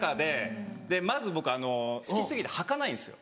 まず僕好き過ぎて履かないんですよ。